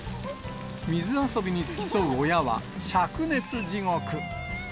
水遊びに付き添う親は、しゃく熱地獄。